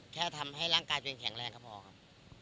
แค่ทำให้ร่างกายตัวเองแข็งแรงก็พอครับ